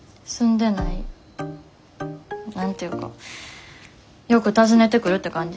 何て言うかよく訪ねてくるって感じ。